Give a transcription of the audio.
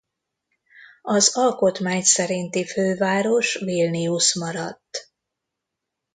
Az alkotmány szerinti főváros Vilnius maradt.